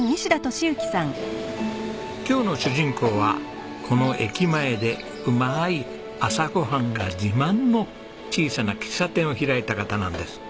今日の主人公はこの駅前でうまい朝ごはんが自慢の小さな喫茶店を開いた方なんです。